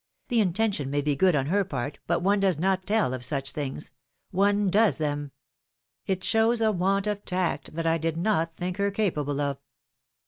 The intention may be good on her part, but one does not tell of such things : one does them ! It shows a want of tact that I did not think her capable of.